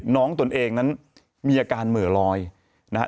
ตนเองนั้นมีอาการเหมือลอยนะฮะ